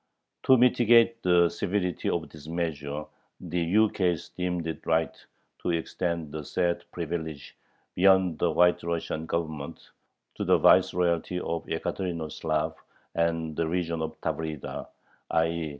To mitigate the severity of this measure the ukase "deemed it right to extend the said privilege beyond the White Russian Government, to the vice royalty of Yekaterinoslav and the region of Tavrida," _i.